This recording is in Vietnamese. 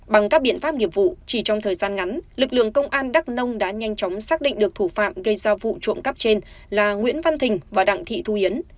bằng các biện pháp nghiệp vụ chỉ trong thời gian ngắn lực lượng công an đắk nông đã nhanh chóng xác định được thủ phạm gây ra vụ trộm cắp trên là nguyễn văn thình và đặng thị thu yến